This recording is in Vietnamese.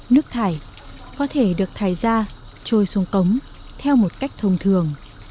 nước thải có thể được thải ra trôi xuống cống theo một cách thông thường